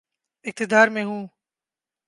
اقتدار میں ہوں۔